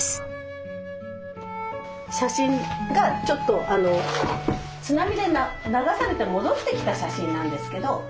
写真がちょっとあの津波で流されて戻ってきた写真なんですけど。